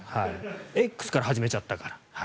Ｘから始めちゃったから。